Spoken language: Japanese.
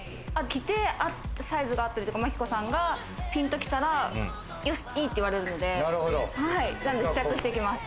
着て、サイズが合ってるとか、真紀子さんがピンときたら、よしいいと言われるので、なので試着していきます。